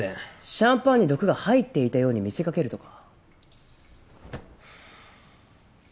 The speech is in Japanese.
シャンパンに毒が入っていたように見せかけるとか。